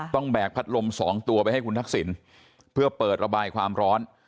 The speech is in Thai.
แบกพัดลม๒ตัวไปให้คุณทักษิณเพื่อเปิดระบายความร้อน